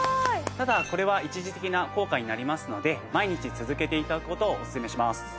ただこれは一時的な効果になりますので毎日続けて頂く事をおすすめします。